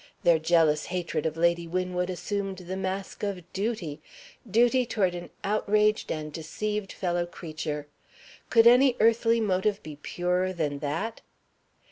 Their jealous hatred of Lady Winwood assumed the mask of Duty duty toward an outraged and deceived fellow creature. Could any earthly motive be purer than that?